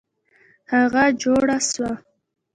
هغه جوړه سوه.